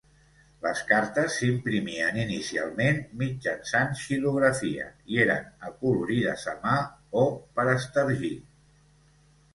Les cartes s'imprimien inicialment mitjançant xilografia i eren acolorides a mà o per estergit.